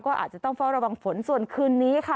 ก็อาจจะต้องเฝ้าระวังฝนส่วนคืนนี้ค่ะ